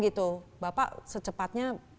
gitu bapak secepatnya